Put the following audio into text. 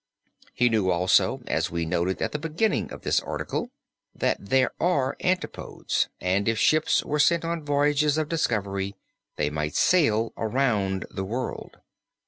He knew also, as we noted at the beginning of this article, that there are antipodes, and if ships were sent on voyages of discovery they might sail around the world.